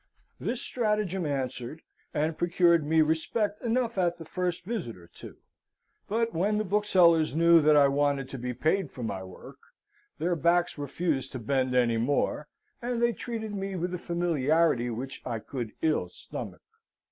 This stratagem answered, and procured me respect enough at the first visit or two; but when the booksellers knew that I wanted to be paid for my work, their backs refused to bend any more, and they treated me with a familiarity which I could ill stomach.